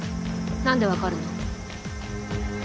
何で分かるの？